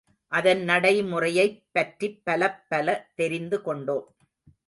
அதன் நடைமுறையைப் பற்றிப் பலப்பல தெரிந்து கொண்டோம்.